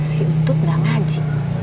si untut gak ngaji